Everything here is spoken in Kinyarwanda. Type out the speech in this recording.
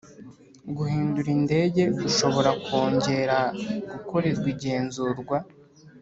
guhindura indege ushobora kongera gukorerwa igenzurwa